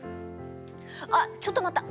あっちょっと待った！